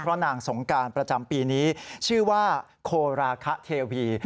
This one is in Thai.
เพราะนางสงการประจำปีนี้ชื่อว่าโคราคเทวี